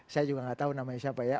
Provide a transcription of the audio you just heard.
saya juga gak tau namanya siapa ya